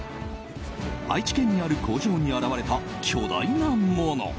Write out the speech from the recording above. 愛知県にある工場に現れた巨大なもの。